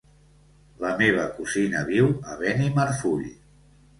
La meva cosina viu a Benimarfull.